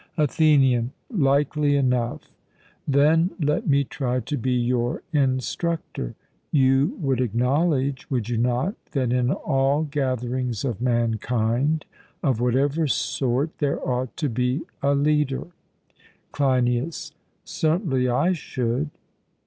ATHENIAN: Likely enough; then let me try to be your instructor: You would acknowledge, would you not, that in all gatherings of mankind, of whatever sort, there ought to be a leader? CLEINIAS: Certainly I should.